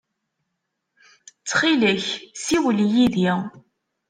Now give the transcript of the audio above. Ttxil-k, ssiwel yid-i.